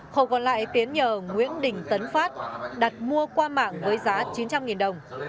khẩu còn lại tiến nhờ nguyễn đình tấn phát đặt mua qua mạng với giá chín trăm linh đồng